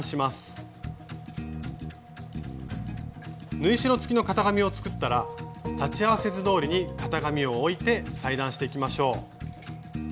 縫い代つきの型紙を作ったら裁ち合わせ図どおりに型紙を置いて裁断していきましょう。